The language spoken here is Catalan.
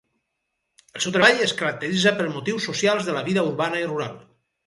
El seu treball es caracteritza pels motius socials de la vida urbana i rural.